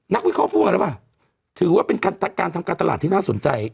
นักวิเคราะห์พูดกันแล้วป่ะถือว่าเป็นการทำการตลาดที่น่าสนใจ